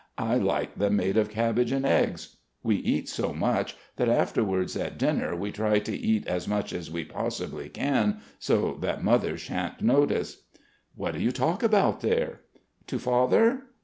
I like them made of cabbage and eggs. We eat so much that afterwards at dinner we try to eat as much as we possibly can so that Mother shan't notice." "What do you talk about there?" "To Father?